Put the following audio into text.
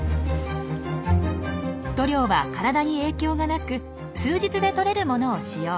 塗料は体に影響がなく数日でとれるものを使用。